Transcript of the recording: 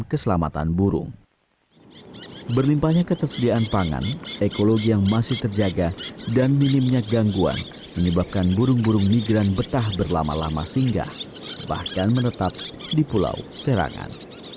keselimpahnya ketersediaan pangan ekologi yang masih terjaga dan minimnya gangguan menyebabkan burung burung migran betah berlama lama singgah bahkan menetap di pulau serangan